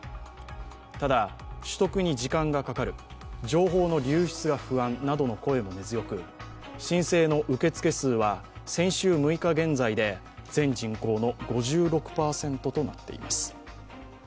ただ、取得に時間がかかる情報の流出が不安などの声も根強く申請の受け付け数は先週の６日現在で全人口の５６％となっています。